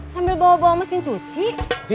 sambil bawa bawa mesin cuci